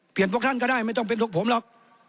เปลี่ยนพวกท่านก็ได้ไม่ต้องเป็นลูกผมหรอก